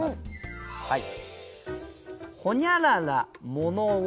はい。